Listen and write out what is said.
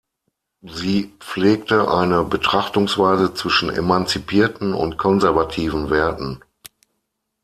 Sie pflegte eine Betrachtungsweise zwischen emanzipierten und konservativen Werten.